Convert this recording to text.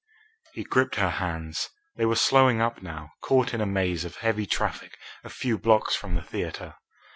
He gripped her hands. They were slowing up now, caught in a maze of heavy traffic a few blocks from the theatre.